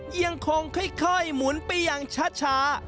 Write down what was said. ยังคงค่อยหมุนไปอย่างช้า